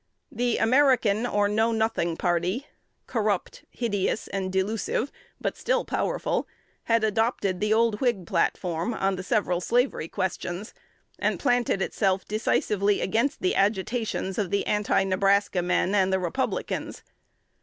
The American or Know Nothing party corrupt, hideous, and delusive, but still powerful had adopted the old Whig platform on the several slavery questions, and planted itself decisively against the agitations of the Anti Nebraska men and the Republicans.